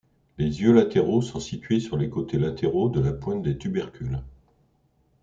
Les yeux latéraux sont situés sur les côtés latéraux de la pointe des tubercules.